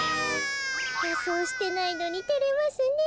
かそうしてないのにてれますねえ。